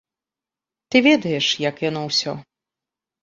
Ты ведаеш, як яно ўсё.